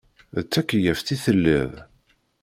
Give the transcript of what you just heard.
D takeyyaft i telliḍ?